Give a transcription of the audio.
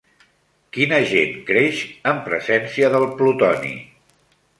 Quin agent creix en presència del plutoni?